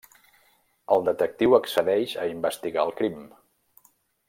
El detectiu accedeix a investigar el crim.